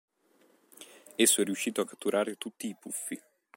Esso è riuscito a catturare tutti i Puffi.